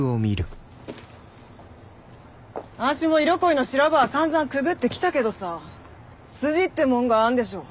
私も色恋の修羅場はさんざんくぐってきたけどさ筋ってもんがあんでしょ。